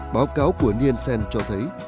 báo cáo của nielsen cho thấy